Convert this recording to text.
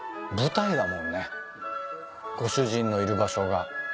舞台だもんねご主人のいる場所が。